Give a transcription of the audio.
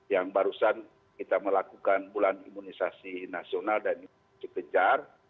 yang barusan kita melakukan bulan imunisasi nasional dan dikejar